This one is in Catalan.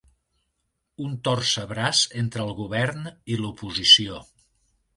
Un torcebraç entre el Govern i l'oposició.